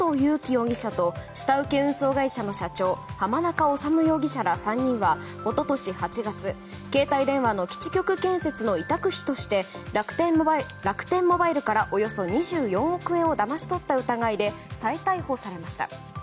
容疑者と下請け運送会社の社長濱中治容疑者ら３人は一昨年８月、携帯電話の基地局建設の委託費として楽天モバイルからおよそ２４億円をだまし取った疑いで再逮捕されました。